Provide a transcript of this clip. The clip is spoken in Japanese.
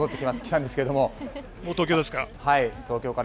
もう東京ですか。